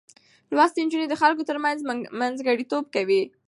لوستې نجونې د خلکو ترمنځ منځګړتوب کوي.